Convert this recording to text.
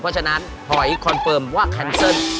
เพราะฉะนั้นหอยคอนเฟิร์มว่าแคนเซิล